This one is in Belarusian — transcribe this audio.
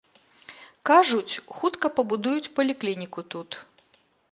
Кажуць, хутка пабудуць паліклініку тут.